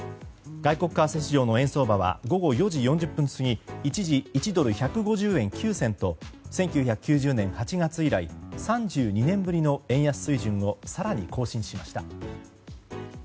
外国為替市場の円相場は午後４時４０分過ぎ一時、１ドル＝１５０円９銭と１９９０年８月以来３２年ぶりの円安水準を更に更新しました。